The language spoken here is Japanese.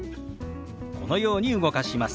このように動かします。